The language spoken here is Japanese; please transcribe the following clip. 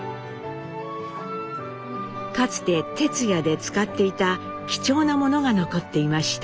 かつて「てつや」で使っていた貴重なものが残っていました。